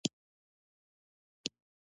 شاعرانو پر ځان بار تحمیل کړی وي.